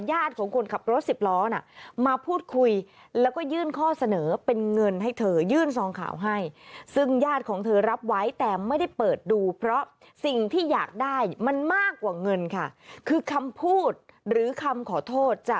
ญาติของคนขับรถ๑๐ล้อนมาพูดคุยแล้วก็ยื่นข้อเสนอเป็นเงินให้เธอยื่นซองข่าวให้